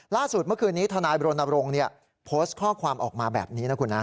ล่าสุดเมื่อคืนนี้ทนายบรณรงค์โพสต์ข้อความออกมาแบบนี้นะคุณนะ